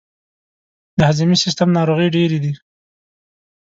د هضمي سیستم ناروغۍ ډیرې دي.